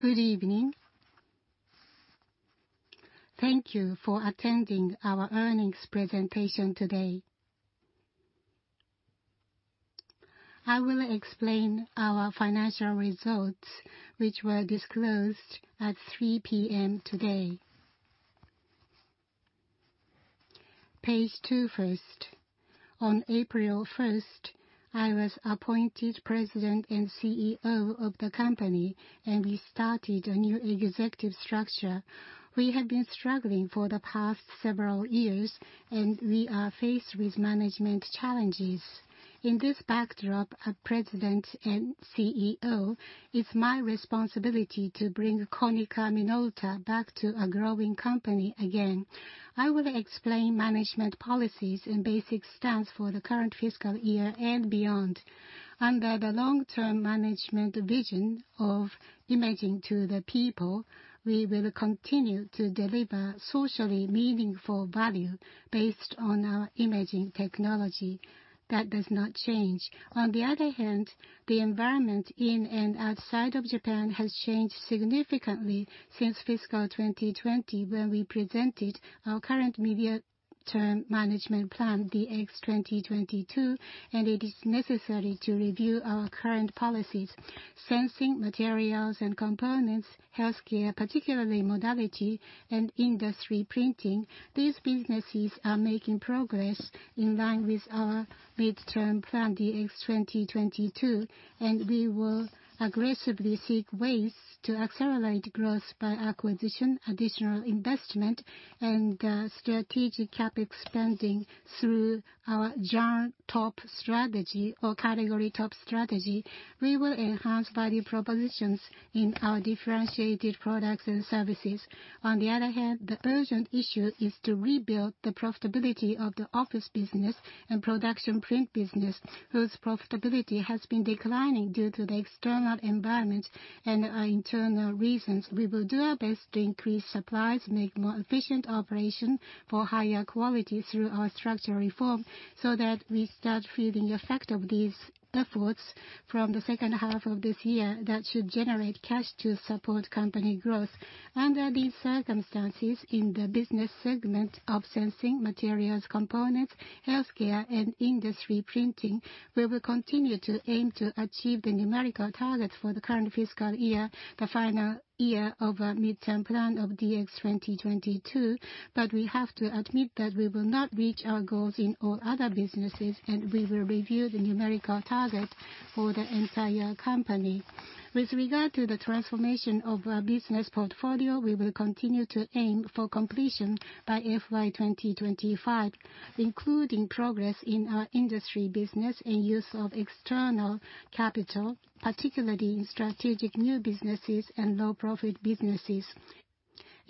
Good evening. Thank you for attending our earnings presentation today. I will explain our financial results, which were disclosed at 3 P.M. today. Page two first. On April first, I was appointed President and CEO of the company, and we started a new executive structure. We have been struggling for the past several years, and we are faced with management challenges. In this backdrop, as President and CEO, it's my responsibility to bring Konica Minolta back to a growing company again. I will explain management policies and basic stance for the current fiscal year and beyond. Under the long-term management vision of Imaging to the People, we will continue to deliver socially meaningful value based on our imaging technology. That does not change. On the other hand, the environment in and outside of Japan has changed significantly since fiscal 2020 when we presented our current medium-term management plan, the DX2022, and it is necessary to review our current policies. Sensing, materials and components, healthcare, particularly modality, and industry printing. These businesses are making progress in line with our midterm plan, the DX2022, and we will aggressively seek ways to accelerate growth by acquisition, additional investment, and strategic CapEx spending through our Genre Top strategy or category top strategy. We will enhance value propositions in our differentiated products and services. On the other hand, the urgent issue is to rebuild the profitability of the office business and production print business, whose profitability has been declining due to the external environment and our internal reasons. We will do our best to increase supplies, make more efficient operation for higher quality through our structural reform, so that we start feeling the effect of these efforts from the second half of this year that should generate cash to support company growth. Under these circumstances, in the business segment of sensing materials, components, healthcare, and industry printing, we will continue to aim to achieve the numerical targets for the current fiscal year, the final year of our medium-term plan of DX2022. We have to admit that we will not reach our goals in all other businesses, and we will review the numerical target for the entire company. With regard to the transformation of our business portfolio, we will continue to aim for completion by FY 2025, including progress in our industry business and use of external capital, particularly in strategic new businesses and low-profit businesses.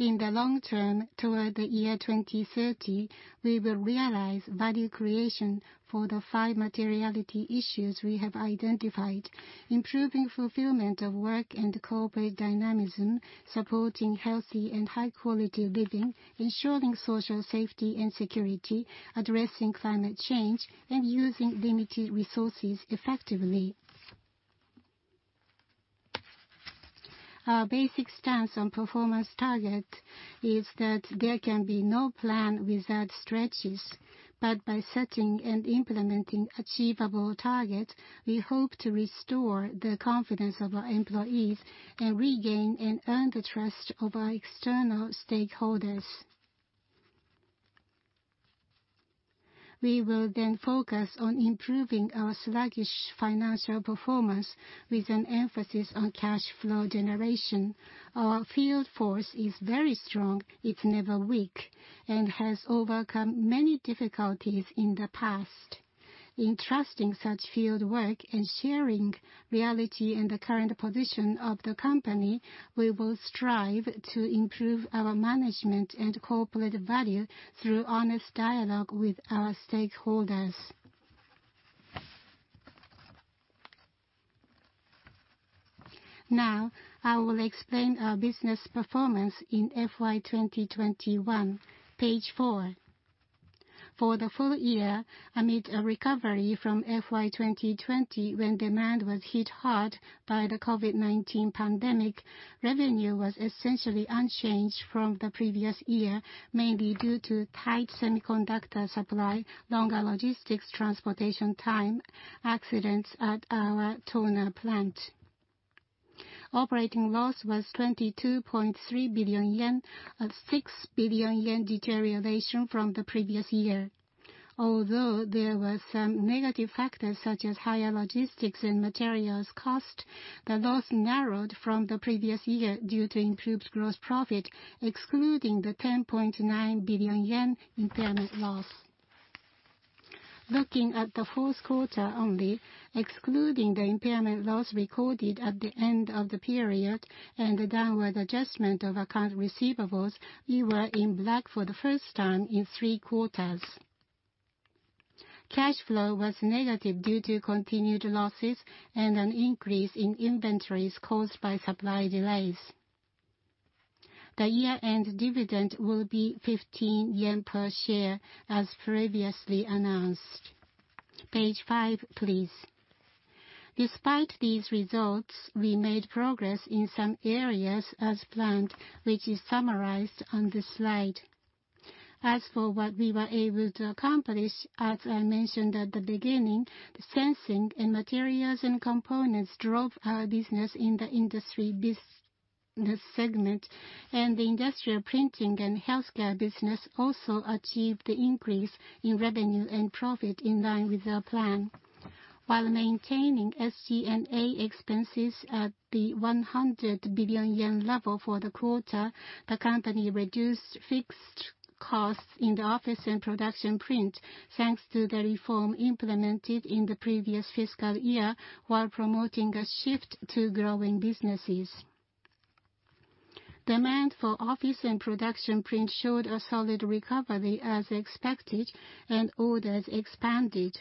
In the long term, toward the year 2030, we will realize value creation for the 5 materiality issues we have identified, improving fulfillment of work and corporate dynamism, supporting healthy and high-quality living, ensuring social safety and security, addressing climate change, and using limited resources effectively. Our basic stance on performance target is that there can be no plan without stretches, but by setting and implementing achievable target, we hope to restore the confidence of our employees and regain and earn the trust of our external stakeholders. We will then focus on improving our sluggish financial performance with an emphasis on cash flow generation. Our field force is very strong. It's never weak and has overcome many difficulties in the past. In trusting such field work and sharing reality in the current position of the company, we will strive to improve our management and corporate value through honest dialogue with our stakeholders. Now, I will explain our business performance in FY2021. Page 4. For the full year, amid a recovery from FY2020 when demand was hit hard by the COVID-19 pandemic, revenue was essentially unchanged from the previous year, mainly due to tight semiconductor supply, longer logistics transportation time, accidents at our toner plant. Operating loss was 22.3 billion yen, a 6 billion yen deterioration from the previous year. Although there were some negative factors such as higher logistics and materials cost, the loss narrowed from the previous year due to improved gross profit, excluding the 10.9 billion yen impairment loss. Looking at the fourth quarter only, excluding the impairment loss recorded at the end of the period and the downward adjustment of account receivables, we were in black for the first time in 3 quarters. Cash flow was negative due to continued losses and an increase in inventories caused by supply delays. The year-end dividend will be 15 yen per share, as previously announced. Page five, please. Despite these results, we made progress in some areas as planned, which is summarized on this slide. As for what we were able to accomplish, as I mentioned at the beginning, the sensing and materials and components drove our business in the industry business segment. The industrial printing and healthcare business also achieved the increase in revenue and profit in line with our plan. While maintaining SG&A expenses at the 100 billion yen level for the quarter, the company reduced fixed costs in the office and production print, thanks to the reform implemented in the previous fiscal year, while promoting a shift to growing businesses. Demand for office and production print showed a solid recovery as expected, and orders expanded.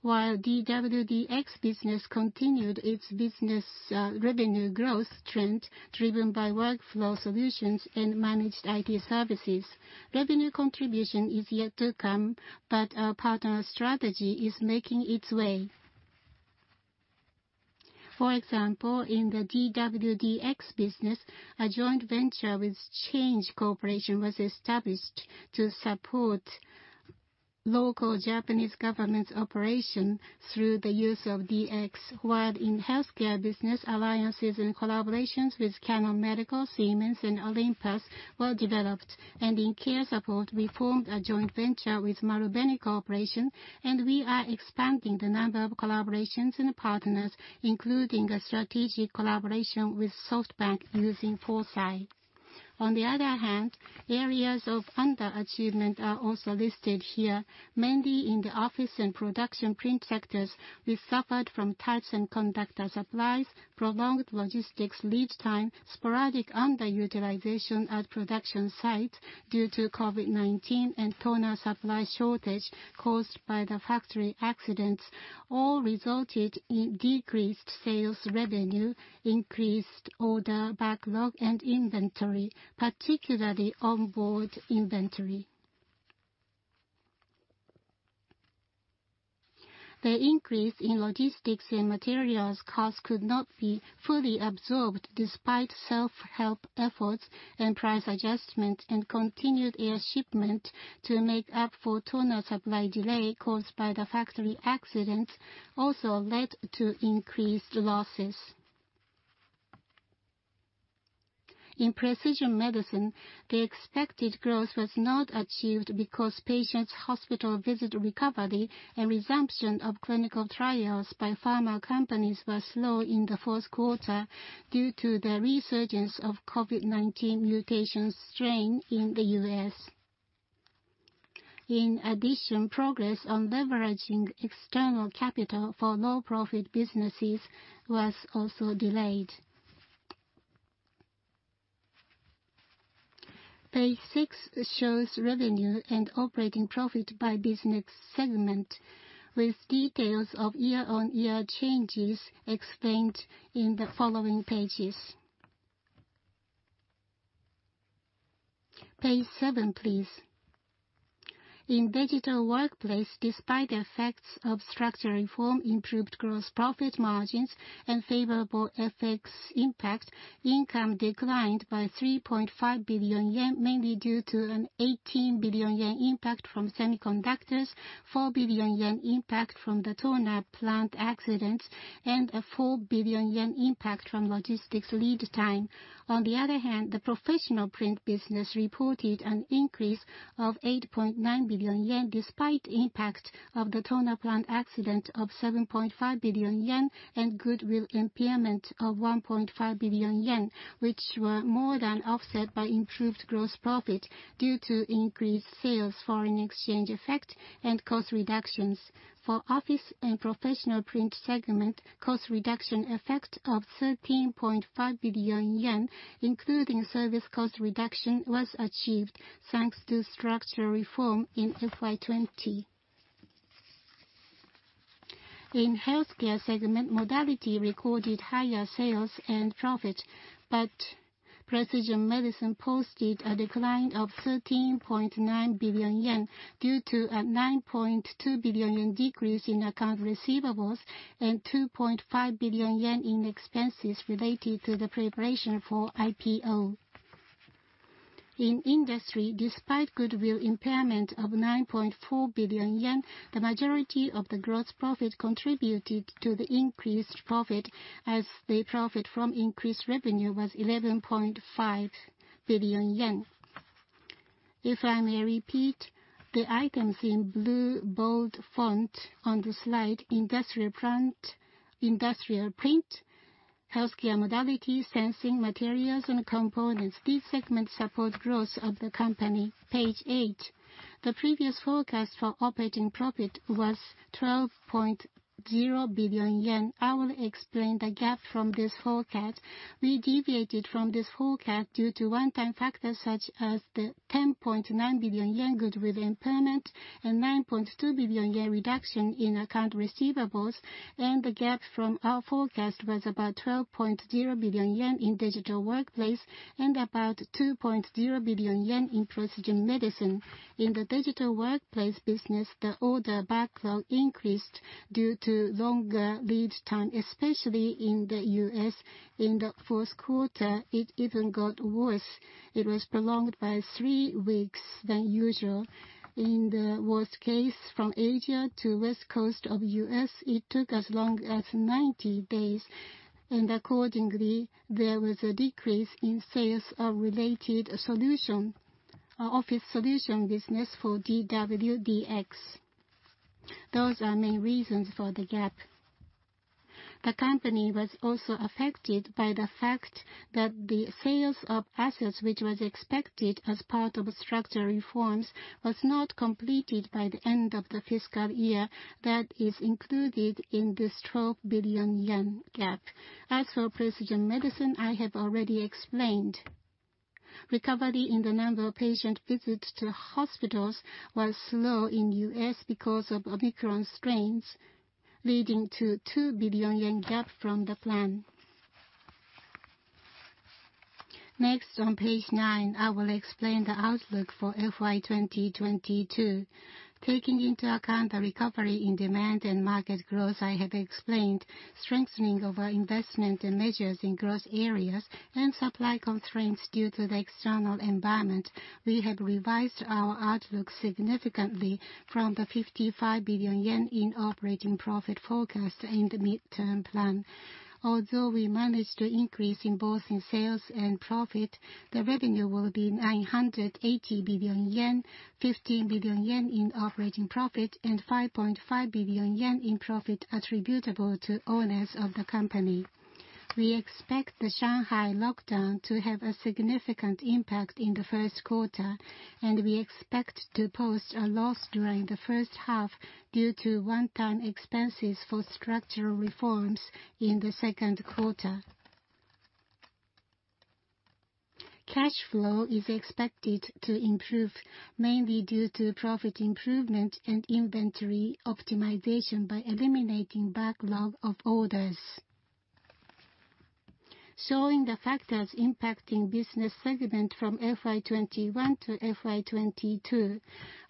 While DW-DX business continued its business revenue growth trend driven by workflow solutions and managed IT services, revenue contribution is yet to come, but our partner strategy is making its way. For example, in the DW-DX business, a joint venture with CHANGE Inc. was established to support local Japanese government's operation through the use of DX. While in healthcare business, alliances and collaborations with Canon Medical, Siemens, and Olympus were developed. In care support, we formed a joint venture with Marubeni Corporation, and we are expanding the number of collaborations and partners, including a strategic collaboration with SoftBank using FORXAI. On the other hand, areas of underachievement are also listed here. Mainly in the office and production print sectors, we suffered from chip and semiconductor supplies, prolonged logistics lead time, sporadic underutilization at production sites due to COVID-19, and toner supply shortage caused by the factory accidents, all resulted in decreased sales revenue, increased order backlog and inventory, particularly onboard inventory. The increase in logistics and materials costs could not be fully absorbed despite self-help efforts and price adjustment and continued air shipment to make up for toner supply delay caused by the factory accidents also led to increased losses. In precision medicine, the expected growth was not achieved because patients' hospital visit recovery and resumption of clinical trials by pharma companies were slow in the Q4 due to the resurgence of COVID-19 mutation strain in the U.S. In addition, progress on leveraging external capital for low profit businesses was also delayed. Page six shows revenue and operating profit by business segment, with details of year-on-year changes explained in the following pages. Page seven, please. In Digital Workplace, despite the effects of structural reform, improved gross profit margins and favorable FX impact, income declined by 3.5 billion yen, mainly due to an 18 billion yen impact from semiconductors, 4 billion yen impact from the toner plant accidents, and a 4 billion yen impact from logistics lead time. On the other hand, the Professional Print business reported an increase of 8.9 billion yen, despite impact of the toner plant accident of 7.5 billion yen and goodwill impairment of 1.5 billion yen, which were more than offset by improved gross profit due to increased sales, foreign exchange effect, and cost reductions. For Office and Professional Print segment, cost reduction effect of 13.5 billion yen, including service cost reduction, was achieved thanks to structural reform in FY20. In Healthcare segment, modality recorded higher sales and profit, but Precision Medicine posted a decline of 13.9 billion yen due to a 9.2 billion yen decrease in accounts receivable and 2.5 billion yen in expenses related to the preparation for IPO. In industry, despite goodwill impairment of 9.4 billion yen, the majority of the gross profit contributed to the increased profit as the profit from increased revenue was 11.5 billion yen. If I may repeat, the items in blue bold font on the slide, Industrial Plant, Industrial Print, Healthcare Modality, Sensing Materials and Components. These segments support growth of the company. Page 8. The previous forecast for operating profit was 12.0 billion yen. I will explain the gap from this forecast. We deviated from this forecast due to one-time factors such as the 10.9 billion yen goodwill impairment and 9.2 billion yen reduction in accounts receivable, and the gap from our forecast was about 12.0 billion yen in Digital Workplace and about 2.0 billion yen in precision medicine. In the Digital Workplace business, the order backlog increased due to longer lead time, especially in the U.S. In the Q4, it even got worse. It was prolonged by three weeks than usual. In the worst case, from Asia to West Coast of U.S., it took as long as 90 days, and accordingly, there was a decrease in sales of related solution, office solution business for DW-DX. Those are main reasons for the gap. The company was also affected by the fact that the sales of assets, which was expected as part of structural reforms, was not completed by the end of the fiscal year that is included in this 12 billion yen gap. As for precision medicine, I have already explained. Recovery in the number of patient visits to hospitals was slow in U.S. because of Omicron strains, leading to 2 billion yen gap from the plan. Next, on page nine, I will explain the outlook for FY2022. Taking into account the recovery in demand and market growth I have explained, strengthening of our investment and measures in growth areas and supply constraints due to the external environment, we have revised our outlook significantly from the 55 billion yen in operating profit forecast in the midterm plan. Although we managed to increase in both sales and profit, the revenue will be 980 billion yen, 15 billion yen in operating profit, and 5.5 billion yen in profit attributable to owners of the company. We expect the Shanghai lockdown to have a significant impact in the Q1, and we expect to post a loss during the first half due to one-time expenses for structural reforms in the Q2. Cash flow is expected to improve, mainly due to profit improvement and inventory optimization by eliminating backlog of orders. Showing the factors impacting business segment from FY21 to FY22,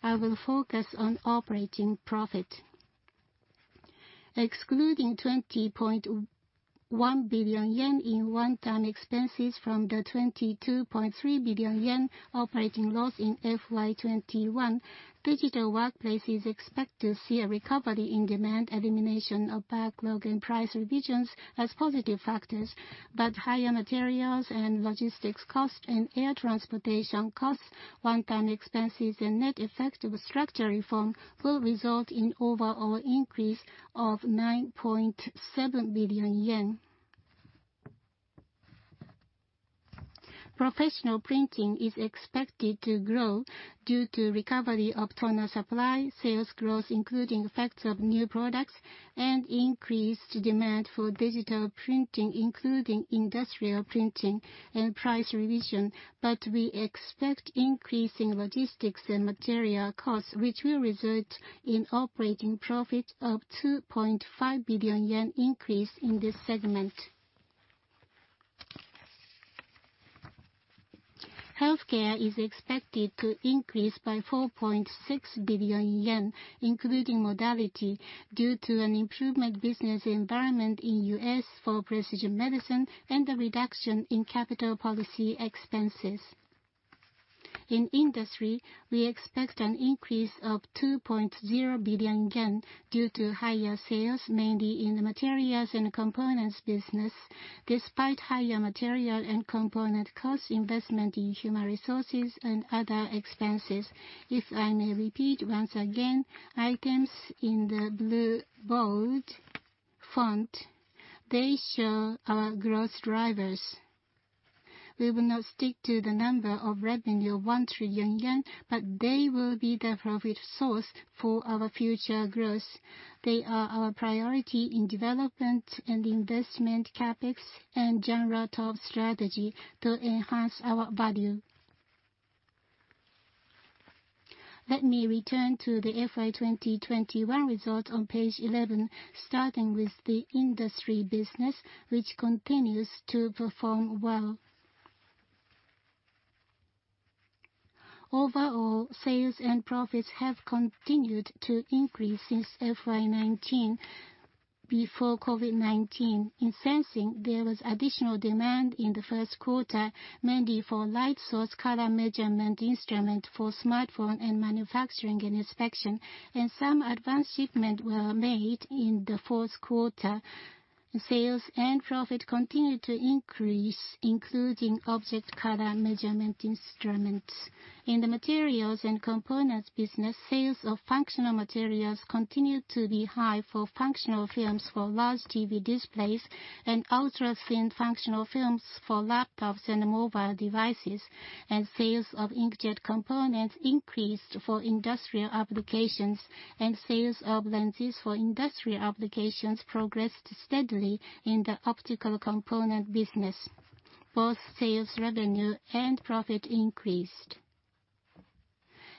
I will focus on operating profit. Excluding 20.1 billion yen in one-time expenses from the 22.3 billion yen operating loss in FY21, Digital Workplace is expected to see a recovery in demand, elimination of backlog and price revisions as positive factors. Higher materials and logistics costs and air transportation costs, one-time expenses and net effect of structural reform will result in overall increase of JPY 9.7 billion. Professional Print is expected to grow due to recovery of toner supply, sales growth including effects of new products, and increased demand for digital printing, including industrial printing and price revision. We expect increasing logistics and material costs, which will result in operating profit of 2.5 billion yen increase in this segment. Healthcare is expected to increase by 4.6 billion yen, including modality, due to an improvement business environment in U.S. for precision medicine and a reduction in capital policy expenses. In industry, we expect an increase of 2.0 billion yen due to higher sales, mainly in the materials and components business, despite higher material and component costs, investment in human resources and other expenses. If I may repeat once again, items in the blue bold font, they show our growth drivers. We will not stick to the number of revenue of 1 trillion yen, but they will be the profit source for our future growth. They are our priority in development and investment CapEx and Genre Top strategy to enhance our value. Let me return to the FY2021 results on page 11, starting with the industry business, which continues to perform well. Overall, sales and profits have continued to increase since FY19, before COVID-19. In sensing, there was additional demand in the Q1, mainly for light source color measurement instrument for smartphone and manufacturing and inspection, and some advance shipments were made in the Q4. Sales and profit continued to increase, including object color measurement instruments. In the materials and components business, sales of functional materials continued to be high for functional films for large TV displays and ultra-thin functional films for laptops and mobile devices. Sales of inkjet components increased for industrial applications, and sales of lenses for industrial applications progressed steadily in the optical component business. Both sales revenue and profit increased.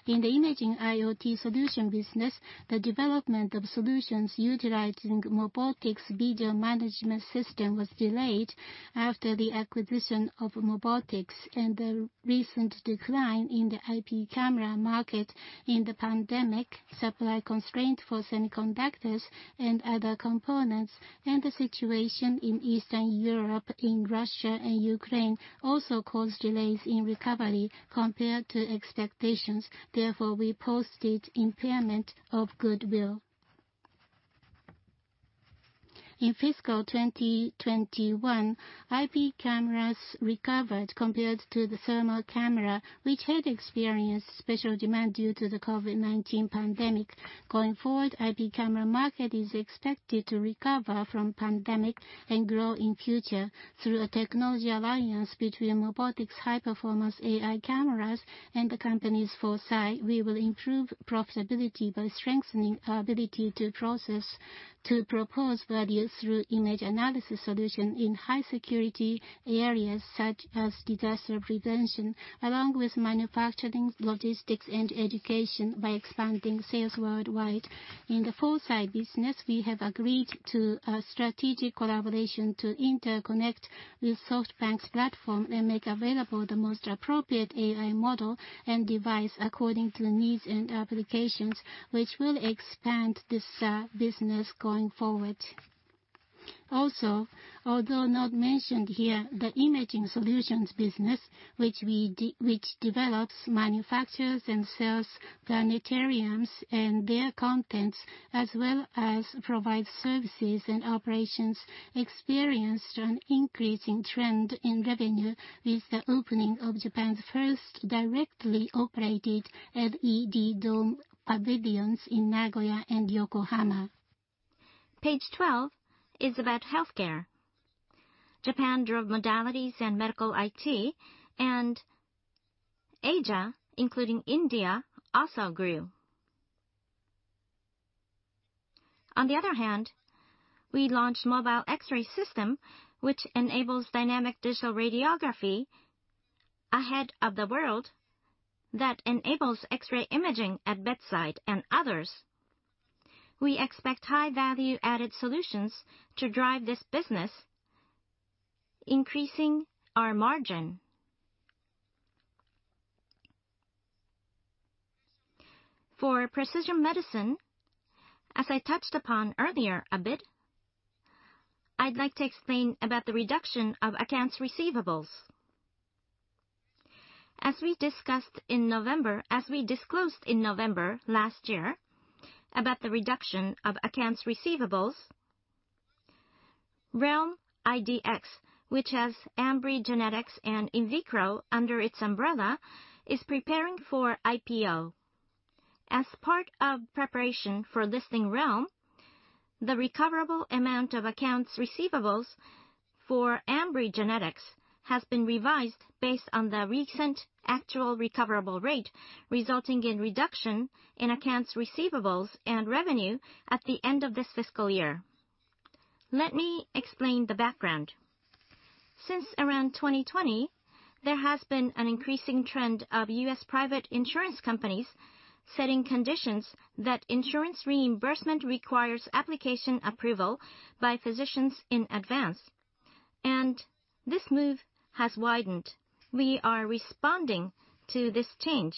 In the imaging IoT solution business, the development of solutions utilizing MOBOTIX video management system was delayed after the acquisition of MOBOTIX and the recent decline in the IP camera market in the pandemic, supply constraint for semiconductors and other components, and the situation in Eastern Europe, in Russia and Ukraine, also caused delays in recovery compared to expectations. Therefore, we posted impairment of goodwill. In fiscal 2021, IP cameras recovered compared to the thermal camera, which had experienced special demand due to the COVID-19 pandemic. Going forward, IP camera market is expected to recover from pandemic and grow in future through a technology alliance between MOBOTIX high-performance AI cameras and the company's FORXAI. We will improve profitability by strengthening our ability to process, to propose value through image analysis solution in high security areas such as disaster prevention, along with manufacturing, logistics, and education by expanding sales worldwide. In the FORXAI business, we have agreed to a strategic collaboration to interconnect with SoftBank's platform and make available the most appropriate AI model and device according to needs and applications, which will expand this business going forward. Also, although not mentioned here, the imaging solutions business, which develops, manufactures, and sells planetariums and their contents, as well as provides services and operations, experienced an increasing trend in revenue with the opening of Japan's first directly operated LED dome pavilions in Nagoya and Yokohama. Page twelve is about healthcare. Japan drug modalities and medical IT and Asia, including India, also grew. On the other hand, we launched AeroDR TX m01, which enables Dynamic Digital Radiography ahead of the world that enables X-ray imaging at bedside and others. We expect high value-added solutions to drive this business, increasing our margin. For precision medicine, as I touched upon earlier a bit, I'd like to explain about the reduction of accounts receivables. As we disclosed in November last year about the reduction of accounts receivables, REALM IDx, which has Ambry Genetics and Invicro under its umbrella, is preparing for IPO. As part of preparation for listing REALM IDx, the recoverable amount of accounts receivables for Ambry Genetics has been revised based on the recent actual recoverable rate, resulting in reduction in accounts receivables and revenue at the end of this fiscal year. Let me explain the background. Since around 2020, there has been an increasing trend of U.S. private insurance companies setting conditions that insurance reimbursement requires application approval by physicians in advance, and this move has widened. We are responding to this change.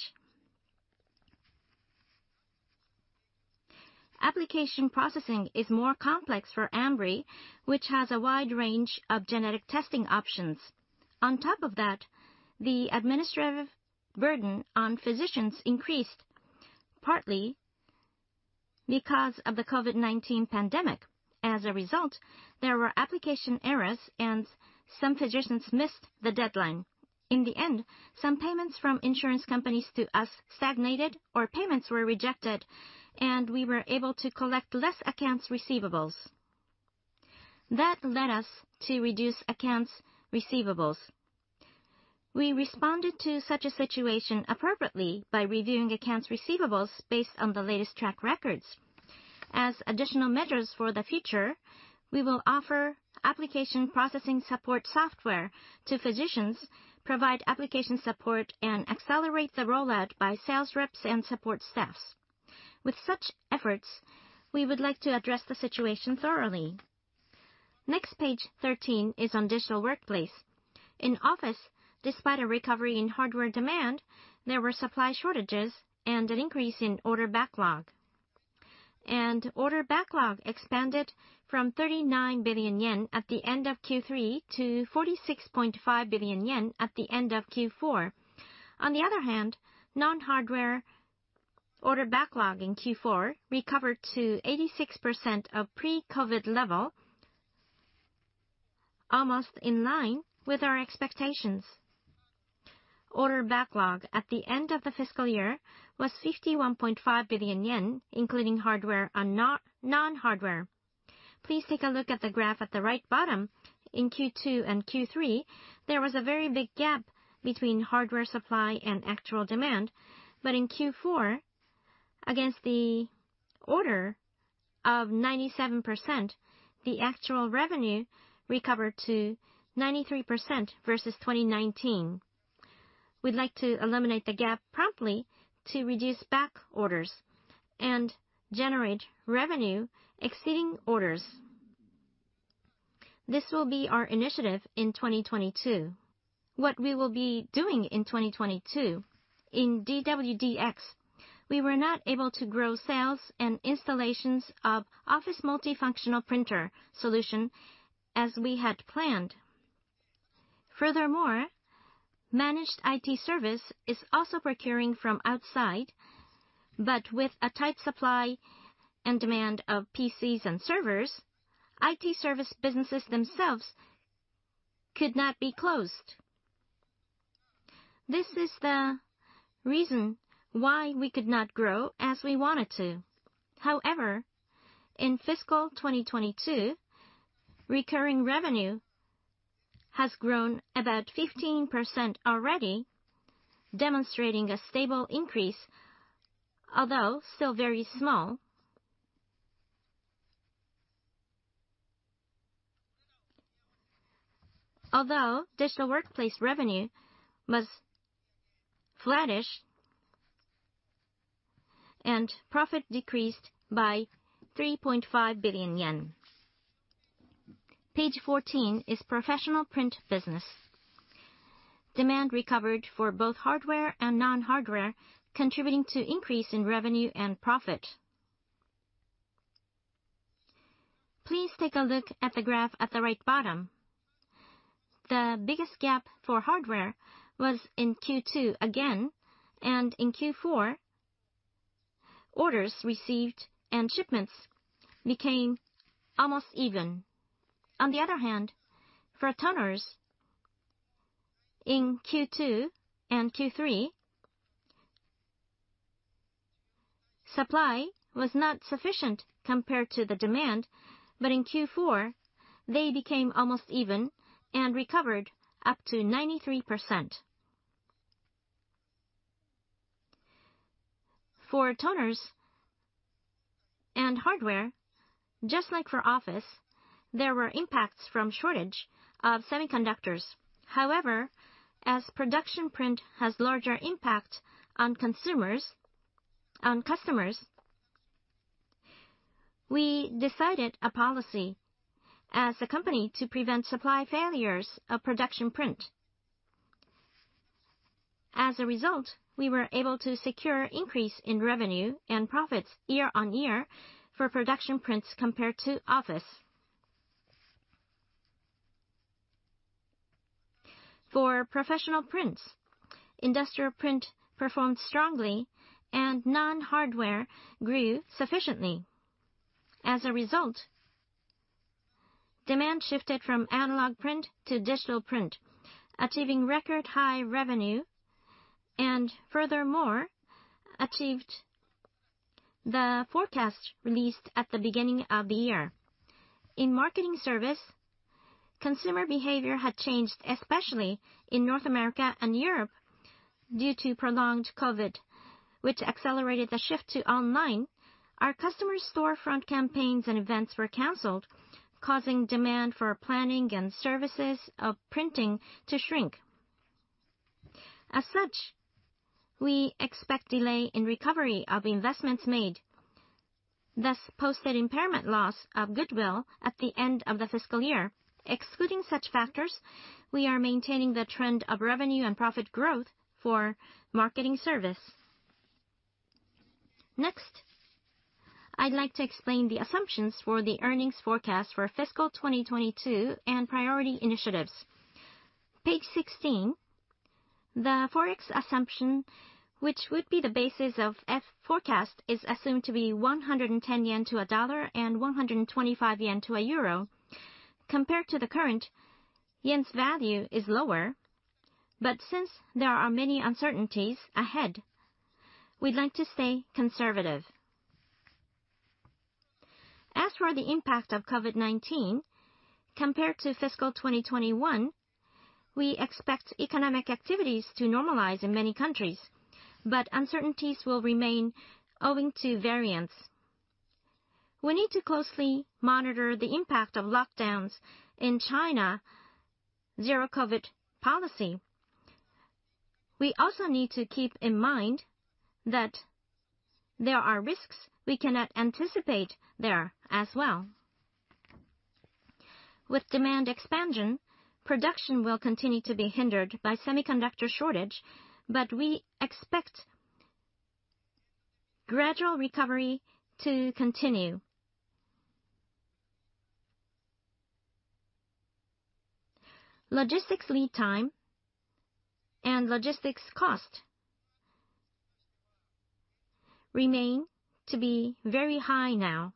Application processing is more complex for Ambry, which has a wide range of genetic testing options. On top of that, the administrative burden on physicians increased partly because of the COVID-19 pandemic. As a result, there were application errors, and some physicians missed the deadline. In the end, some payments from insurance companies to us stagnated or payments were rejected, and we were able to collect less accounts receivable. That led us to reduce accounts receivable. We responded to such a situation appropriately by reviewing accounts receivable based on the latest track records. As additional measures for the future, we will offer application processing support software to physicians, provide application support, and accelerate the rollout by sales reps and support staffs. With such efforts, we would like to address the situation thoroughly. Next, page 13 is on Digital Workplace. In office, despite a recovery in hardware demand, there were supply shortages and an increase in order backlog. Order backlog expanded from 39 billion yen at the end of Q3 to 46.5 billion yen at the end of Q4. On the other hand, non-hardware order backlog in Q4 recovered to 86% of pre-COVID level. Almost in line with our expectations. Order backlog at the end of the fiscal year was 51.5 billion yen, including hardware and non-hardware. Please take a look at the graph at the right bottom. In Q2 and Q3, there was a very big gap between hardware supply and actual demand. In Q4, against the order of 97%, the actual revenue recovered to 93% versus 2019. We'd like to eliminate the gap promptly to reduce back orders and generate revenue exceeding orders. This will be our initiative in 2022. What we will be doing in 2022, in DW-DX, we were not able to grow sales and installations of office multifunctional printer solution as we had planned. Furthermore, managed IT service is also procuring from outside, but with a tight supply and demand of PCs and servers, IT service businesses themselves could not be closed. This is the reason why we could not grow as we wanted to. However, in fiscal 2022, recurring revenue has grown about 15% already, demonstrating a stable increase, although still very small. Although Digital Workplace revenue was flattish and profit decreased by 3.5 billion yen. Page 14 is Professional Print business. Demand recovered for both hardware and non-hardware, contributing to increase in revenue and profit. Please take a look at the graph at the bottom right. The biggest gap for hardware was in Q2 again, and in Q4, orders received and shipments became almost even. On the other hand, for toners in Q2 and Q3, supply was not sufficient compared to the demand, but in Q4, they became almost even and recovered up to 93%. For toners and hardware, just like for office, there were impacts from shortage of semiconductors. However, as production print has larger impact on consumers, on customers, we decided a policy as a company to prevent supply failures of production print. As a result, we were able to secure increase in revenue and profits year-on-year for production prints compared to office. For professional prints, industrial print performed strongly and non-hardware grew sufficiently. As a result, demand shifted from analog print to digital print, achieving record high revenue and furthermore achieved the forecast released at the beginning of the year. In marketing service, consumer behavior had changed, especially in North America and Europe, due to prolonged COVID-19, which accelerated the shift to online. Our customer storefront campaigns and events were canceled, causing demand for planning and services of printing to shrink. As such, we expect delay in recovery of the investments made, thus posted impairment loss of goodwill at the end of the fiscal year. Excluding such factors, we are maintaining the trend of revenue and profit growth for marketing service. Next, I'd like to explain the assumptions for the earnings forecast for fiscal 2022 and priority initiatives. Page 16, the Forex assumption, which would be the basis of forecast, is assumed to be 110 yen to USD 1 and 125 JPY to EUR 1. Compared to the current, yen's value is lower, but since there are many uncertainties ahead, we'd like to stay conservative. As for the impact of COVID-19, compared to fiscal 2021, we expect economic activities to normalize in many countries, but uncertainties will remain owing to variants. We need to closely monitor the impact of lockdowns in China, zero-COVID policy. We also need to keep in mind that there are risks we cannot anticipate there as well. With demand expansion, production will continue to be hindered by semiconductor shortage, but we expect gradual recovery to continue. Logistics lead time and logistics cost remain to be very high now,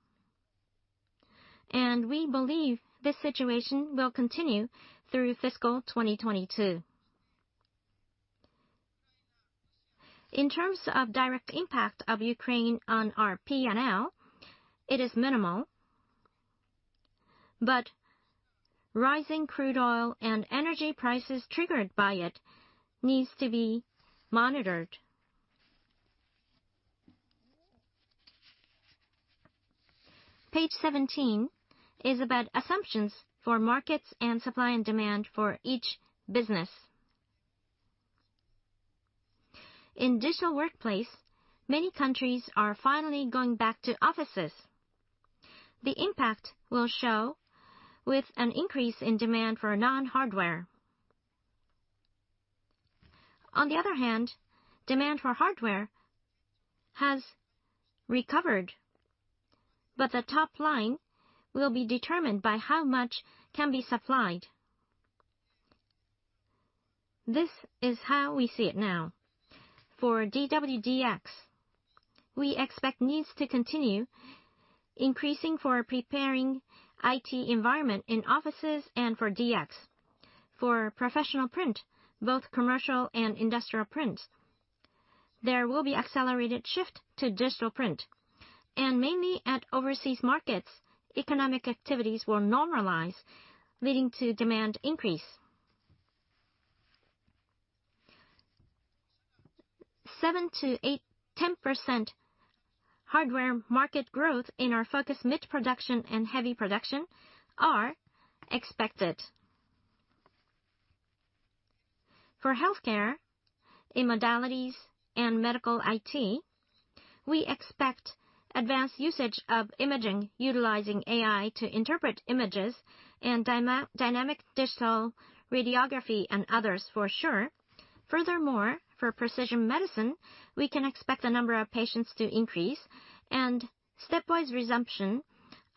and we believe this situation will continue through fiscal 2022. In terms of direct impact of Ukraine on our P&L, it is minimal, but rising crude oil and energy prices triggered by it needs to be monitored. Page 17 is about assumptions for markets and supply and demand for each business. In Digital Workplace, many countries are finally going back to offices. The impact will show with an increase in demand for non-hardware. On the other hand, demand for hardware has recovered, but the top line will be determined by how much can be supplied. This is how we see it now. For DW-DX, we expect needs to continue increasing for preparing IT environment in offices and for DX. For Professional Print, both commercial and industrial print, there will be accelerated shift to digital print. Mainly at overseas markets, economic activities will normalize, leading to demand increase. 7-10% hardware market growth in our focus mid-production and heavy production are expected. For healthcare, in modalities and medical IT, we expect advanced usage of imaging utilizing AI to interpret images and dynamic digital radiography and others for sure. Furthermore, for precision medicine, we can expect the number of patients to increase, and stepwise resumption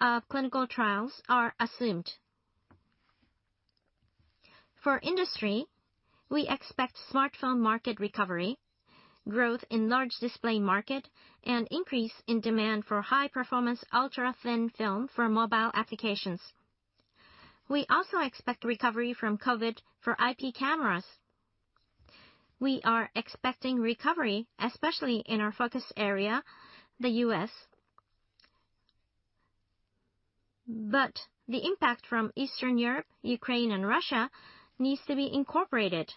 of clinical trials are assumed. For industry, we expect smartphone market recovery, growth in large display market, and increase in demand for high-performance ultra-thin film for mobile applications. We also expect recovery from COVID-19 for IP cameras. We are expecting recovery, especially in our focus area, the U.S. The impact from Eastern Europe, Ukraine, and Russia needs to be incorporated.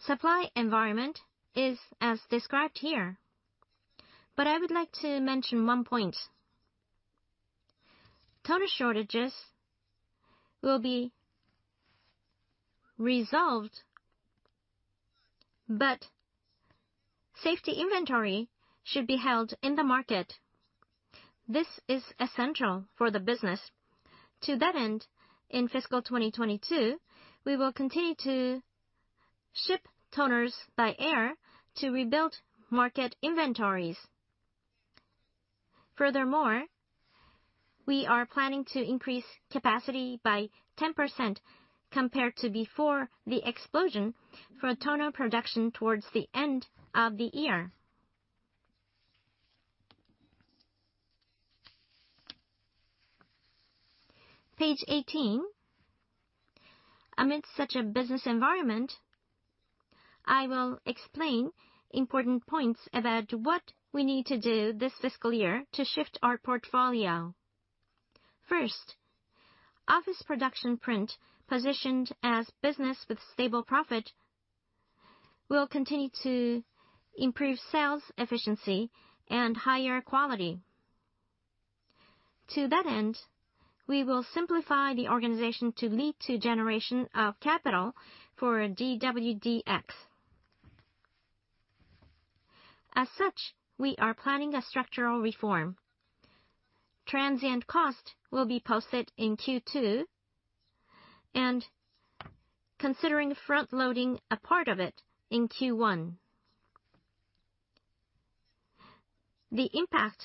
Supply environment is as described here, but I would like to mention one point. Toner shortages will be resolved, but safety inventory should be held in the market. This is essential for the business. To that end, in fiscal 2022, we will continue to ship toners by air to rebuild market inventories. Furthermore, we are planning to increase capacity by 10% compared to before the explosion for toner production towards the end of the year. Page 18. Amid such a business environment, I will explain important points about what we need to do this fiscal year to shift our portfolio. First, office production print positioned as business with stable profit will continue to improve sales efficiency and higher quality. To that end, we will simplify the organization to lead to generation of capital for DW-DX. As such, we are planning a structural reform. Transition cost will be posted in Q2 and considering frontloading a part of it in Q1. The impact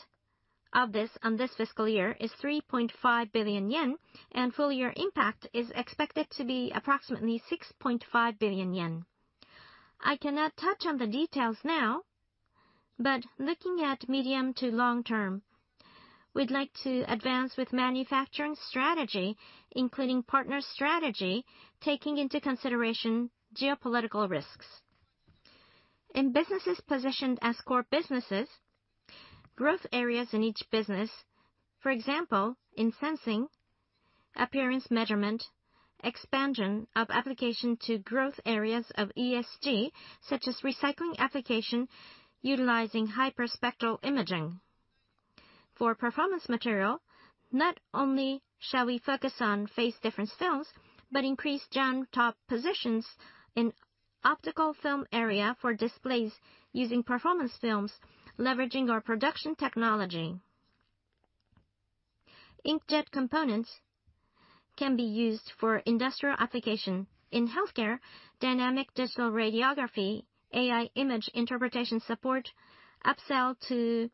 of this on this fiscal year is 3.5 billion yen, and full year impact is expected to be approximately 6.5 billion yen. I cannot touch on the details now, but looking at medium to long term, we'd like to advance with manufacturing strategy, including partner strategy, taking into consideration geopolitical risks. In businesses positioned as core businesses, growth areas in each business, for example, in sensing, appearance measurement, expansion of application to growth areas of ESG, such as recycling application utilizing hyperspectral imaging. For performance material, not only shall we focus on phase difference films, but increase Genre Top positions in optical film area for displays using performance films, leveraging our production technology. Inkjet components can be used for industrial application. In healthcare, Dynamic Digital Radiography, AI image interpretation support, upsell to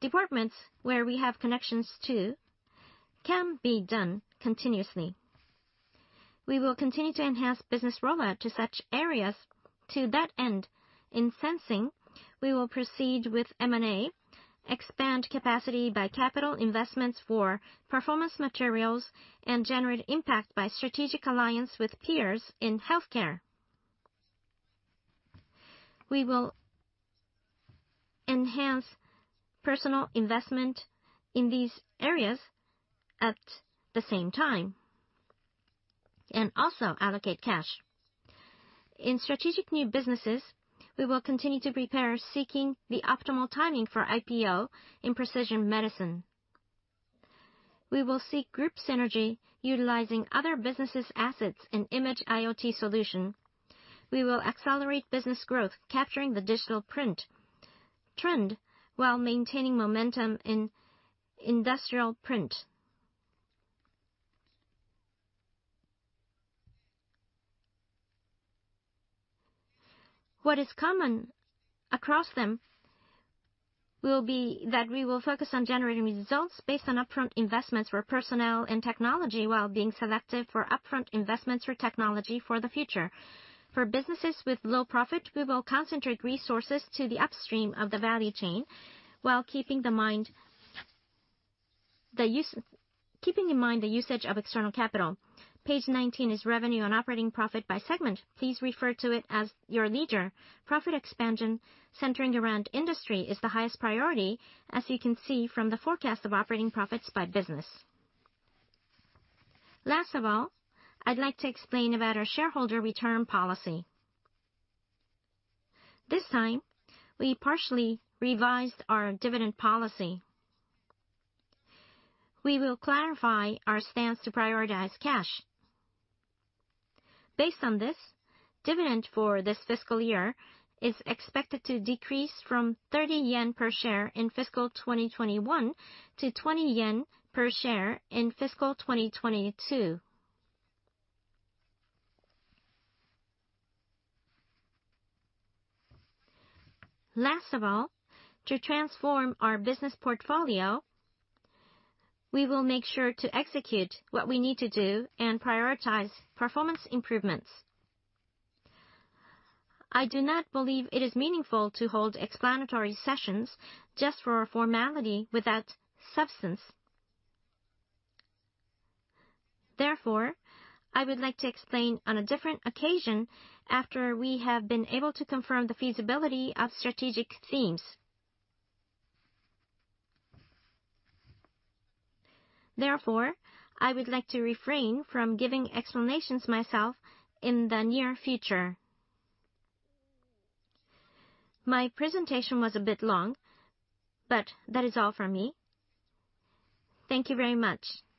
departments where we have connections to can be done continuously. We will continue to enhance business rollout to such areas. To that end, in sensing, we will proceed with M&A, expand capacity by capital investments for performance materials, and generate impact by strategic alliance with peers in healthcare. We will enhance personal investment in these areas at the same time, and also allocate cash. In strategic new businesses, we will continue to prepare seeking the optimal timing for IPO in precision medicine. We will seek group synergy utilizing other businesses assets in imaging IoT solution. We will accelerate business growth, capturing the digital print trend while maintaining momentum in industrial print. What is common across them will be that we will focus on generating results based on upfront investments for personnel and technology while being selective for upfront investments for technology for the future. For businesses with low profit, we will concentrate resources to the upstream of the value chain while keeping in mind the usage of external capital. Page 19 is revenue and operating profit by segment. Please refer to it at your leisure. Profit expansion centering around industry is the highest priority, as you can see from the forecast of operating profits by business. Last of all, I'd like to explain about our shareholder return policy. This time, we partially revised our dividend policy. We will clarify our stance to prioritize cash. Based on this, dividend for this fiscal year is expected to decrease from 30 yen per share in fiscal 2021 to 20 yen per share in fiscal 2022. Last of all, to transform our business portfolio, we will make sure to execute what we need to do and prioritize performance improvements. I do not believe it is meaningful to hold explanatory sessions just for formality without substance. Therefore, I would like to explain on a different occasion after we have been able to confirm the feasibility of strategic themes. Therefore, I would like to refrain from giving explanations myself in the near future. My presentation was a bit long, but that is all from me. Thank you very much.